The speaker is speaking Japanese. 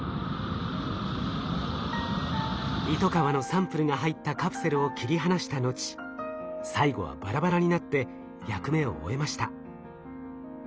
イトカワのサンプルが入ったカプセルを切り離した後最後はバラバラになって役目を終えました。